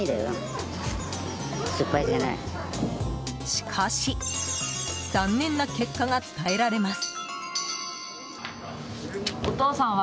しかし、残念な結果が伝えられます。